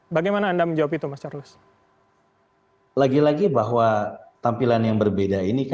bagaimana anda menjawab itu mas charles lagi lagi bahwa tampilan yang berbeda ini